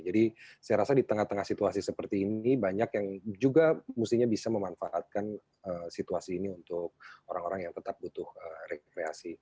jadi saya rasa di tengah tengah situasi seperti ini banyak yang juga mestinya bisa memanfaatkan situasi ini untuk orang orang yang tetap butuh rekreasi